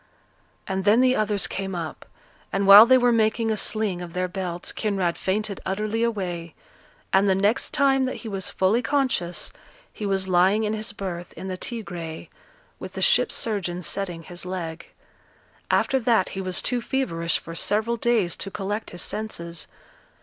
And then the others came up; and while they were making a sling of their belts, Kinraid fainted utterly away, and the next time that he was fully conscious, he was lying in his berth in the Tigre, with the ship surgeon setting his leg. After that he was too feverish for several days to collect his senses.